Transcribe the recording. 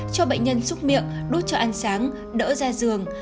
cho bệnh nhân xúc miệng đốt cho ăn sáng đỡ ra giường